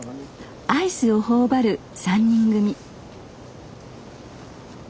アイスを頬張る３人組。